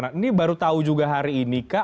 nah ini baru tahu juga hari ini kah